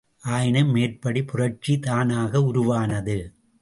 ஆயினும் மேற்படி புரட்சி தானாக உருவானது.